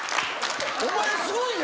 お前すごいな。